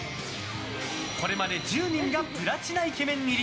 これまで１０人がプラチナイケメン入り！